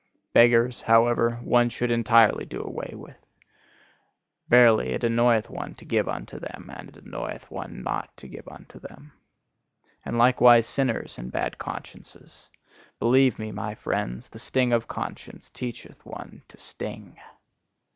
Beggars, however, one should entirely do away with! Verily, it annoyeth one to give unto them, and it annoyeth one not to give unto them. And likewise sinners and bad consciences! Believe me, my friends: the sting of conscience teacheth one to sting.